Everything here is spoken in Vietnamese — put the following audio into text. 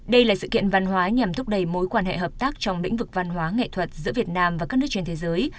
đây là sự kiện văn hóa nhằm thúc đẩy mối quan hệ hợp tác trong lĩnh vực văn hóa nghệ thuật giữa việt nam và các nước trên thế giới